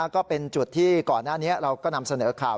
ก็เป็นจุดที่ก่อนหน้านี้เราก็นำเสนอข่าว